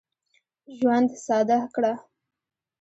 ژوند ساده کړه.